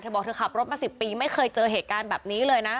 บอกเธอขับรถมา๑๐ปีไม่เคยเจอเหตุการณ์แบบนี้เลยนะ